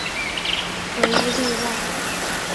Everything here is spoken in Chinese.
唯一例外是站房设于轨道下方之北湖车站。